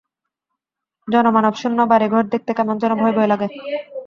জনমানবশূন্য বাড়ি-ঘর দেখতে কেমন যেন ভয়ভয় লাগে।